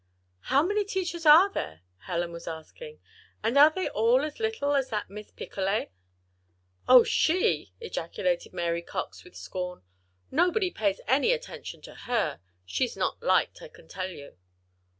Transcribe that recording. "How many teachers are there?" Helen was asking. "And are they all as little as that Miss Picolet?" "Oh, she!" ejaculated Mary Cox, with scorn. "Nobody pays any attention to her. She's not liked, I can tell you."